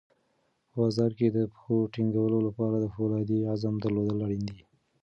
په بازار کې د پښو ټینګولو لپاره د فولادي عزم درلودل اړین دي.